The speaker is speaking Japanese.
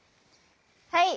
はい。